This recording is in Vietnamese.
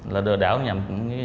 là đều đảo nhầm